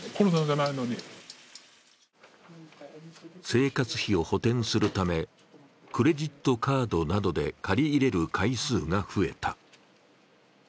生活費を補填するためクレジットカードなどで借り入れる回数が増えた。